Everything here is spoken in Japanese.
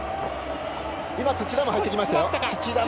土田も入ってきましたよ。